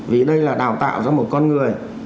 vì đây là đào tạo cho một con người